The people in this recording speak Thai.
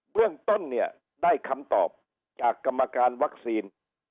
เรื่องต้นเนี่ยได้คำตอบจากกรรมการวัคซีน